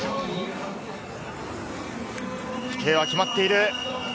飛型は決まっている。